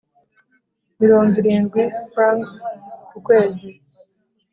mirongo irindwi Frw ku kwezi